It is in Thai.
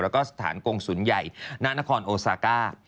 แล้วก็สถานกงศูนย์ใหญ่ณนครโอซาก้า